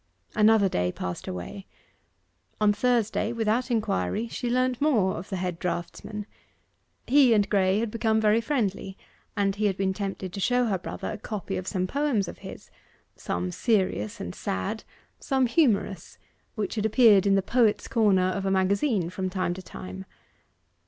Another day passed away. On Thursday, without inquiry, she learnt more of the head draughtsman. He and Graye had become very friendly, and he had been tempted to show her brother a copy of some poems of his some serious and sad some humorous which had appeared in the poets' corner of a magazine from time to time.